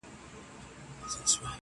يوه مياشت وروسته ژوند روان دی-